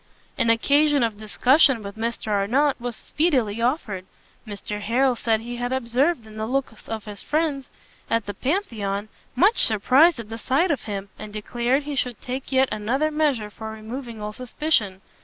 An occasion of discussion with Mr Arnott very speedily offered. Mr Harrel said he had observed in the looks of his friends at the Pantheon much surprise at the sight of him, and declared he should take yet another measure for removing all suspicion.